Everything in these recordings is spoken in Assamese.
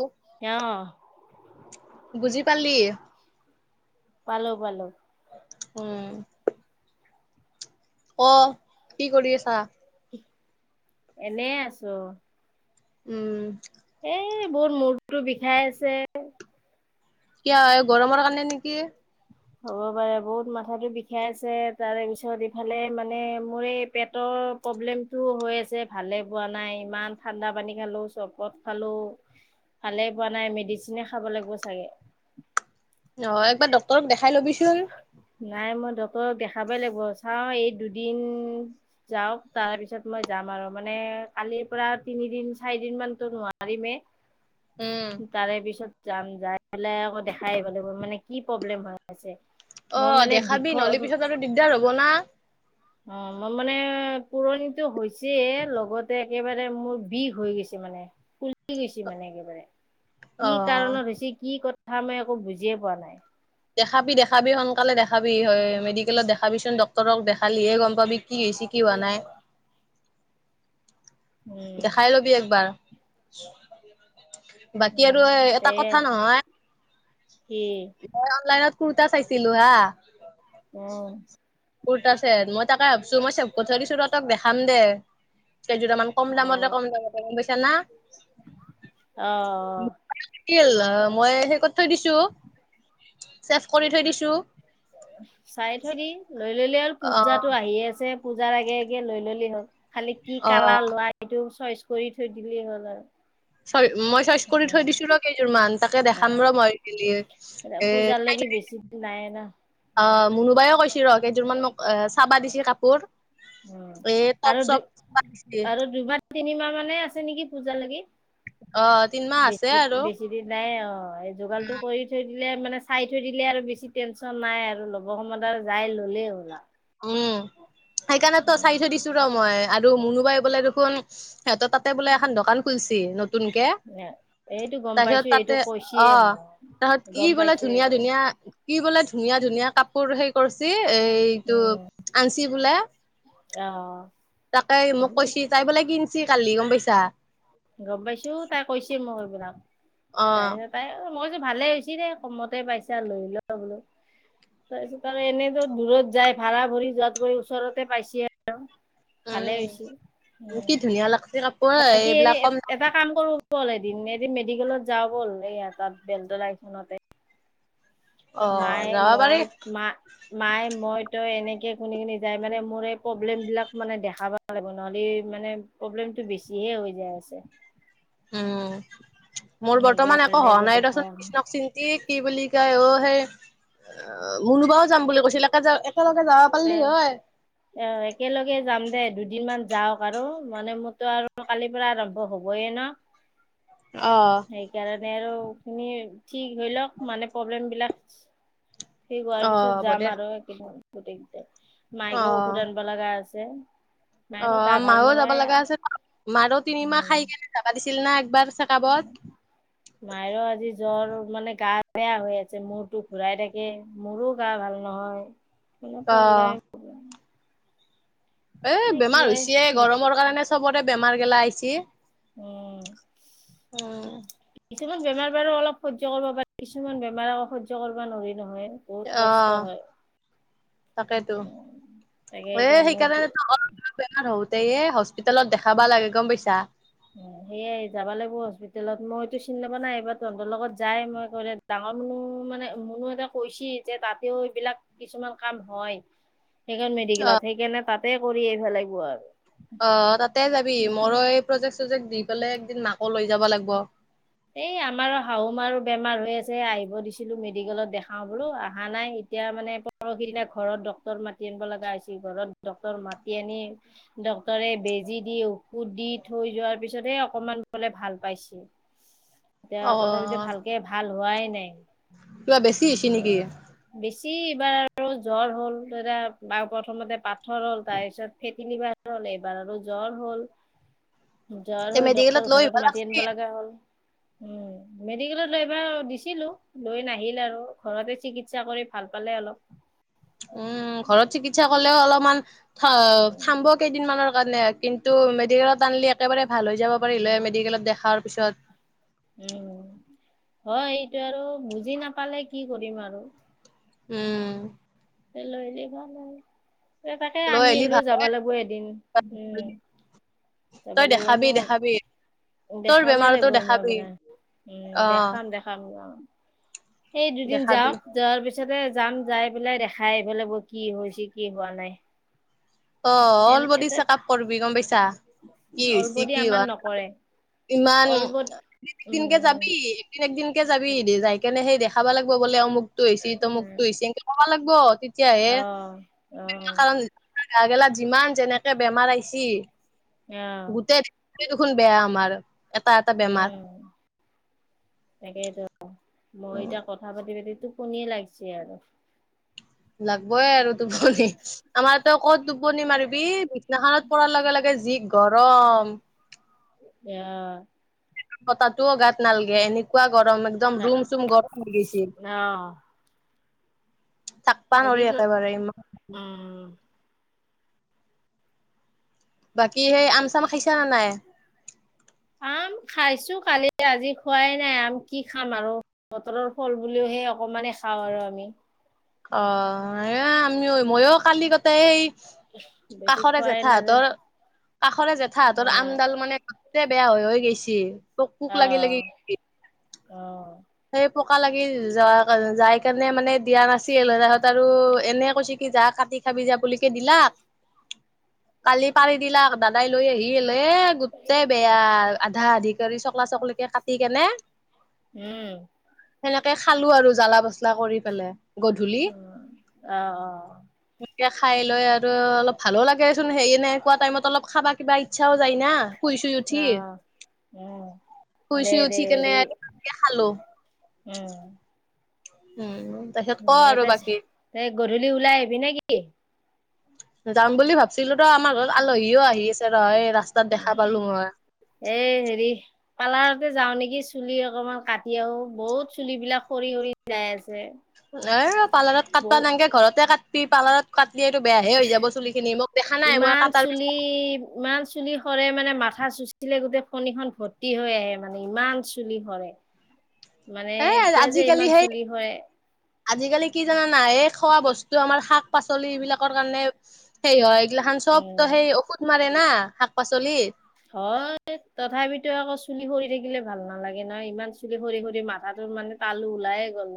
ঔ, অহ বুজি পালি? পালোঁ পালোঁ। উম। ক কি কৰি আছা? এনে আছোঁ। উম। এই বহুত মূৰটো বিষাই আছে। কিয় এই গৰমৰ কাৰণে নেকি। হ'ব পাৰে বহুত মাথাটো বিষাই আছে তাৰে পিছত ইফালে মানে মোৰ এই পেটৰ প্ৰব্লেমটো হৈ আছে ভালে পোৱা নাই, ইমান ঠাণ্ডা পানী খালোঁ, চবত খালোঁ। ভালেই পোৱা নাই, মেডিচিনে খাব লাগিব চাগে। নহয়, একবাৰ ডক্তৰক দেখাই ল'বিচোন। নাই মই ডক্তৰক দেখাবই লাগিব। চাওঁ এই দুদিন যাওঁক তাৰপিছত মই যাম আৰু, মানে কালিৰ পৰা তিনিদিন, চাৰি দিন মানতো নোৱাৰিমেই। [inaudible] উম তাৰেপিছত যাম, যাই পেলাই আকৌ দেখাই আহিব মানে কি প্ৰব্লেম হৈ আছে। মই অ' মানে বিষ দেখাবি অ নহ'লে পিছত আৰু দিগদাৰ হ'ব না। অ' মই মানে পুৰণিতো হৈছে লগতে একেবাৰে মোৰ বিষ হৈ গৈছে মানে। [unintelligible] ফুলি গৈছে মানে একেবাৰে। অ কি কাৰণত হৈছে, কি কথা মই একো বুজিয়ে পোৱা নাই। দেখাবি দেখাবি সোনকালে দেখা বি হয়, মেডিকেলত দেখাবিচোন, ডক্তৰক দেখালিহে গম পাবি কি হৈছে, কি হোৱা নাই। উম দেখাই লবি একবাৰ। বাকী আৰু উম এ, এটা সেয়ে কথা নহয়। কি? মই অনলাইনত কুৰ্তা চাইছিলোঁ হা উম। কুৰ্তাছেট, মই তাকে ভাবছোঁ, মই চেভ কৰি থৈ দিছোঁ ৰ তোক দেখাম দে। কেইযোৰামান কম দামতে, কম দামতে গম পাইছা না। অ', অ'। [unintelligible] মই সেই ক'ত থৈ দিছোঁ, ছেফ কৰি থৈ দিছোঁ। চাই থবি, লৈ ল'লে আৰু অ পূজাতো আহিয়ে আছে। পূজাৰ আগে আগে লৈ ললেই হ'ল। খালি কি অ কালাৰ লোৱা, এইটো চইচ কৰি থৈ দিলেই হ'ল আৰু। চৰি মই চইচ কৰি থৈ দিছো ৰ' কেইযোৰমান। তাকে অ দেখাম ৰহ! মই গেলি। এ চাই পূজালৈকে থৈ দিম। বেছি নাই আনা। অ'হ। মুনুবায়েও কৈছি ৰ'হ। কেইযোৰমান ম'ক চাবা দিছি কাপোৰ। উম। এ টপ আৰু দু চপ চাবা দিছি, আৰু দুইবাৰ তিনিমাহ মানে আছে নেকি পূজা লাগি! অ তিনমাহ আছে বেছি আৰু বেছি নাই অ'। এই যোগাৰটো কৰি থৈ দিলে, মানে চাই থৈ দিলে আৰু, বেছি টেনচন নাই আৰু। হব সময়ত আৰু যাই ল'লেই হ'ল আৰু। উম। সেইকাৰণেতো উম চাই থৈ দিছো ৰ'হ মই, আৰু মুনুবাই বোলে দেখোন সিহঁতৰ তাত তাতে বোলে এখন দোকান খুলছি নতুনকে, এইটো গম পাইছো তাৰপিছত এইটো তাতে কৈছিয়ে অ'হ মোক তাহত কি গম বোলে পাইছো ধুনীয়া এইটো -ধুনীয়া কি বোলে ধুনীয়া -ধুনীয়া কাপোৰ, সেই কৰছি এইটো আনছি বোলে। অহ'। তাকে মোক কৈছি, তাই বোলে কিনছি কালি। গম পাইছা? গম পাইছো। তাই কৈছি মোক এইবিলাক। অ', তাৰপিছত তাই মই কৈছো ভালে হৈছি দে কমতে পাইছা, লৈ লোৱা বোলো। তাৰপিছত আৰু এনেতো দূৰত যায়, ভাড়া ভৰি যোৱাতকৈ ওচৰতে পাইছি আৰু। ভালে হৈছি। উম, কি উম ধুনীয়া লাগছি কাপোৰ হেৰি এইবিলাক কম এটা কাম কৰো ব'ল এদিন। এদিন মেডিকেলত যা ব'ল, এইয়া তাত বেলতলা এইখনতে অ', মাই, যাবা পাৰি মই, মা মাই, মই, তই এনেকে কোনি কোনি যাই মানে মোৰ এই প্ৰব্লেমবিলাক মানে দেখাবা ব লাগিব মানে প্ৰব্লেমতটো বেছিহে হৈ যায় আছে। উম। মোৰ বৰ্তমান একো সেইকাৰণে হ'ৱা এইবাৰ নাই দেখাই ৰচোন। আহো কৃষ্ণক চি এ কি বুলি কয়, অ' সেই অ' মুনুবাও যাম বুলি কৈছিল। একে য একেলগে যাব পাৰলি হয়। এ একেলগে যাম দে। দুদিন মান যাওঁক আৰু। মানে মোৰতো আৰু কালিৰ পৰা আৰম্ভ ব হ'বয়ে ন। অহ। সেইকাৰণে আৰু এইখিনি ঠিক হৈ লওঁক, মানে প্ৰব্লেম বিলাক সেই কোৱাৰ পিছত অ', হ'ব দে ধৰ গোটেইকেইটাই মাইকো ঔষধ আনব লগা আছে মায়ৰো গা অ'হ। ভাল মাও যাবা নহয় লাগা আছে ৰহ। মাৰো তিনিমাহ উম খাই কেনে যাবা দিছিল না একবাৰ চেকাপত। মাইৰোও আজি জ্বৰ। মানে গা বেয়া হৈ আছে। মূৰটো ঘুৰাই থাকে। মোৰো গা ভাল নহয়। হলে অ প্ৰব্লেম। এ কি বেমাৰ হয় হৈছে এ। গৰমৰ কাৰণে চবৰে বেমাৰ গেলা আহছে। উম। উম কিছুমান বেমাৰ বাৰু অলপ সহ্য কৰিব পাৰি। কিছুমান বেমাৰ আকৌ সহ্য কৰিব নোৱাৰি নহয়। বহুত কষ্ট অহ। হয় তাকেইতো। তাকে এ এতিয়া মোৰ সেইকাৰণে বেমাৰ হৌতেএ হস্পিটেলত দেখাবা লাগে। গম পাইছা? সেয়াই যাবা লাগব' হস্পিতেলত। মইতো চিনি নাপাওঁ না। এইবাৰ তহঁতৰ লগত যাই, মই একেবাৰে ডাঙৰ মুনু মানে মুনু এটা কৈছি যে তাতেও এইবিলাক, কিছুমান কাম হয়। সেইখন মেডিকেলত। সেইকাৰণে তাতে কৰি আহিবা লাগিব' আৰু। অ'হ। তাতে যাবি। মৰো এই প্ৰজেক্ট- চজেক্ট দি পেলাই একদিন মাকো লৈ যাবা লাগব'। এই আমাৰো শাহু মাৰো বেমাৰ হৈ আছে। আহিব দিছিলো মেডিকেলত। দেখাও বোলো, আহা নাই এতিয়া মানে পৰসি দিনা ঘৰত ডক্টৰ মাতি আনিব লগা হৈছিল ঘৰত ডক্টৰ মাতি আনি ডক্তৰে বেজি দি ঔষধ দি থৈ যোৱাৰ পিছতহে অকমান বলে ভাল পাইছোঁ এতিয়া অ তথাপিতো ভালকে ভাল হোৱাই নাই। কিবা বেছি হৈছে নেকি? বেছি এইবাৰ আৰু জ্বৰ হ'ল এয়া বা প্ৰথমতে পাথৰ হ'ল তাৰ পিছত ফেতিনিবাৰ হ'ল এইবাৰ আৰু জ্বৰ হ'ল জ্বৰ এই হৈ মেডিকেলত ডক্টৰ লৈ আহিব ঘৰত মাতি আনিব লাগছিল লগা হ'ল উম মেডিকেলত লৈ এবাৰ গৈছিলোঁ লৈ নাহিল আৰু ঘৰতে চিকিৎসা কৰি ভাল পালে অলপ। উম ঘৰত চিকিৎসা কৰিলেও অলপমান থ উম থামব দিনমানৰ কাৰণে কিন্তু মেডিকেলত আনিলি একেবাৰে ভাল হৈ যাব পাৰিলে মেডিকেলত দেখাৰ পিছত উম হয় এইটো আৰু বুজি নাপালে কি কৰিম আৰু উম লৈলে ভাল আৰু ত তাকে লৈ আমি আহিলি হ'লেও ভাল যাব হয় লাগিব এদিন উম যাব তই লাগিব দেখাবি মোক দেখাবি। তোৰ দেখাবই বেমাৰতো লাগিব মই দেখাবি মানে উম অ দেখাম দেখাম খাম আৰু সেই দুদিন দেখাবি যাওঁক যোৱাৰ পিছতে যাম যাই পেলাই দেখাই আহিব লাগিব কি হৈছে কি হোৱা নাই। অ অল এনে বডি চেক আপ কৰিবি গম পাইছা। কি হৈছে অলবদি কি আমাৰ হোৱা নাই নকৰে ইমান অলবত একদিনকে উম যাবি। দিন একদিনকে যাবি যাই কেনে সেই দেখাবা লাগিব বোলে অমুক তো হৈছে উম তমুকটো হৈছে দেখাব লাগিব তেতিয়াহে আহ আহ কাৰণ গাগেলা যিমান যেনেকে বেমাৰ আহিছ আহ গোটেই গোটেই দেখোন বেয়া আমাৰ এটা এটা বেমাৰ উম তাকেইতো মই এতিয়া কথা পাতি পাতি তোক টোপনিয়ে লাগিছে আৰু লাগবই আৰু টোপনি আমাৰ ত' কত টোপনি মাৰিবি বিছনাখনত পৰাৰ লগে লগে যি গৰম। আহ বতাহটোও গাত নালগে এনেকুৱা গৰম একদম ৰুম চুম গৰম হৈ গেছে অ [inaudible] তাপ হেৰি গ'ল অ। বাকী সেই আম চাম খাইছা নে নাই? আম খাইছো কালি আজি খোৱাই নাই আম কি খাম আৰু বতৰৰ ফল বুলিও সে অকণমানে খাওঁ আৰু আমি। অ আমিও মইও কালি গোটেই এই বেছি কাষৰে খোৱাই নাযায় জেঠাহঁতৰ কাষৰে জেঠাহঁতৰ অ আমডাল মানে গোটেই বেয়া হৈ হৈ গেছে। অ অ সেই পকা লাগি যোৱা যাই কাৰণে মানে দিয়া নাছিল তাহত আৰু এনে কৈছে যা কাটি খাবি যা বুলিকে দিলাক কালি পাৰি দিলাক দাদাই লৈ আহি হল এ গোটেই বেয়া আধা আধি কৰি চকলা চকলিকে কাটি কেনে উম সেনেকে খালো আৰু জ্বালা পচলা কৰি পেলাই গধূলি উম, অ', অ', সন্ধিয়া খাই লৈ আৰু অলপ ভালো লাগেচোন হেৰি এনেকুৱা টাইমত অলপ খাবা কিবা ইচ্ছাও যায় না শুই ছুই উঠি অ', উম, শুই দে, ছুই দে, উঠি কেনে আৰু কি খাল' [unintelligible] এহ উম তাৰপিছত ক আৰু ইয়াতে আছে। বাকী তই গধূলি ওলাই আহিবি নে কি? যাম বুলি ভাবিছিলোঁ ৰ আমাৰ ঘৰত আলহীও আহি আছে ৰ এই ৰাস্তাত দেখা পালোঁ মই। এ হেৰি পাৰ্লাৰতে যাওঁ নেকি চুলি অকণমান কাটি আহোঁ বহুত চুলিবিলাক সৰি সৰি যাই আছে। এ পাৰ্লাৰত কাটবা বহু নালগে ঘৰতে কাটবি, পাৰ্লাৰত কাটলি তুৰ বেয়াহে হৈ যাব চুলি খিনি মোক দেখা নাই মই ইমান কাটাৰ চুলি পিছত ইমান চুলি সৰে মানে মাথা চুচিলে গোটেই ফনীখন ভৰ্তি হৈ আহে মানে ইমান চুলি সৰে। মানে এ কিয় যে আজিকালি ইমান সেই চুলি হৰে। আজিকালি কি জান নাই? এই খোৱা বস্তু আমাৰ শাক পাচলি এইবিলাকৰ কাৰণে সেই হয় এইগিলাখান চব তো উম। সেই ঔষধ মাৰে না শাক পাচলি। হয় তথাপিতো আকৌ চুলি সৰি থাকিলে ভাল নালাগে নহয় ইমান চুলি সৰি সৰি মাথাটো মানে তালো ওলাইে গ'ল।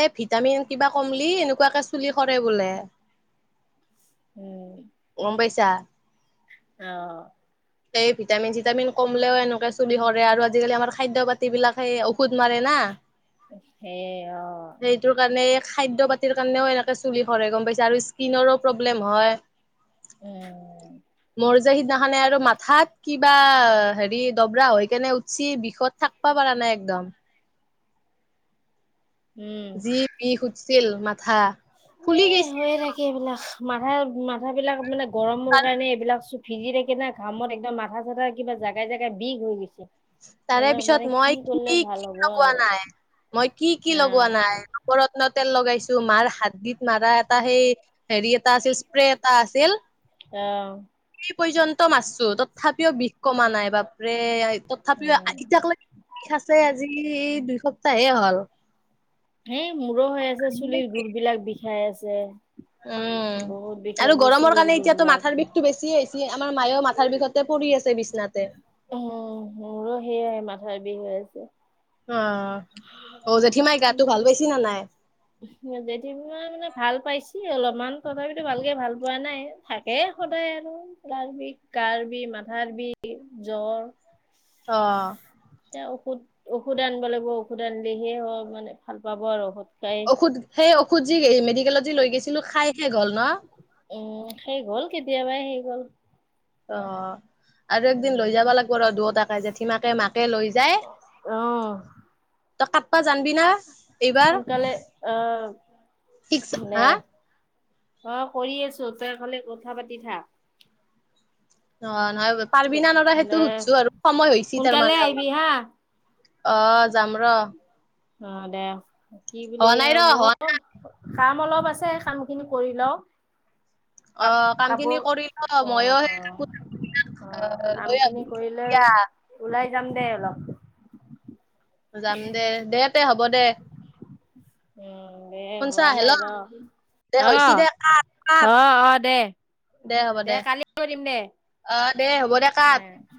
এ ভিটামিন কিবা কমলি এনেকুৱাকে চুলি সৰে বোলে। উম গম পাইছাঁ? অ এই ভিটামিন চিটামিন কমলেও এনেকে চুলি সৰে আৰু আজিকালি আমাৰ খাদ্য পাতি বিলাক ঔষধ মাৰে না। সেই অ সেইটো কাৰণে এই খাদ্য পাতিৰ কাৰণেও এনেকে চুলি সৰে গম পাইছাঁ আৰু স্কিনৰো প্ৰব্লেম হয়। উম মোৰ যে সিদিনাখনে আৰু মাথাত কিবা হেৰি দবৰা হৈ কেনে উঠছি বিষত থাক ব পাৰা নাই একদম। উম যি বিষ উঠিছিল মাথা। ফুলি এ গৈছিল হৈয়ে থাকে এইবিলাক মাথা মাথা বিলাক মানে গৰমৰ কাৰণে এইবিলাক ভিজি থাকি না ঘামত একদম মাথা চাথা কিবা জাগাই জেগাই বিষ হৈ গৈছে। তাৰে এইবিলাক মানে পিছত মই কৰিলে কি ভাল কি হ'ব লগোৱা আৰু নাই মই কি কি অ লগোৱা নাই। নৱৰন্ত তেল লগাইছোঁ মাৰ হাড়দিত মাৰা এটা সেই হেৰি এটা আছিল স্প্ৰে এটা আছিল। অ'। [unintelligible] পৰ্যন্ত মাৰছো তথাপিও বিষ কমা নাই বাপৰে তথাপিও উম এতিক লে বিষ আছে আজি এই দুই সপ্তাহে হ'ল। এই মোৰো হৈ আছে চুলিৰ গোৰ বিলাক বিষাই আছে। উম' বহুত বিষাই আৰু আছে গৰমৰ চুলিৰ কাৰণে গুৰ এতিয়াতো বিলাক মাথাৰ বিষটো বেছিয়ে হৈছে। আমাৰ মায়েও মাথাৰ বিষতে পৰি আছে বিছনাতে। উম' মোৰো সেইয়াই মাথাৰ বিষ হৈ আছে। অ' অঔ জেঠি মাই গাতটো ভাল পাইছি না নাই? জেঠি মাই মানে ভাল পাইছে। এই অলপমান তথাপিতো ভালকে ভাল পোৱা নাই থাকে সদায় আৰু। গাৰ বিষ, মাথাৰ বিষ, জ্বৰ। অ এতিয়া ঔষধ ঔষধে আনিব লাগিব ঔষধ আনিলেহে মানে ভাল পাব আৰু ঔষধ খাই। ঔষধ সেই ঔষধ যি এই মেডিকেলত যি লৈ গৈছিলো খাই শেষ হ'ল ন? উম' শেষ হ'ল কেতিয়াবাই শেষ হ'ল। অ' আৰু একদিন উম লৈ যাব লাগব ৰ দুয়টাকে জেঠী মাকে মাকে লৈ যায়- অ', তই কাটবা জানবি না? এইবাৰ সোনকালে আহ শিকছ হা মানে- অঁ' কৰি আছোঁ, তইখালি কথা পাতি থাক। অঁ নহয় পাৰিবি দে না নৰা সেইটো দে সুধছো আৰু সময় হৈছি সোনকালে তাৰমানে আহিবি অলপ। হা অ'‌ যাম ৰ। অ' দে কি বুলি হোৱা নাই এয়া ৰ হোৱা নাই মোৰ- কাম অলপ আছে কাম খিনি কৰি লওঁ। অ কাপ কাম খিনি কৰি ল কাপোৰ মইও সেই অ'। কাপোৰ অ' লৈ কাম আহো খিনি কৰিলে দিয়া ওলাই যাম দে অলপ। যাম দে, দে তে হ'ব দে। [inaudible] অঁ' দে হে শুনছা হোৱা নাই হেল্ল' ন, দে হৈছে অঁ' দে থ কাট অঁ' দে। দে কালি কৰিম দে, অ দে হ'ব দে কাট এঁ।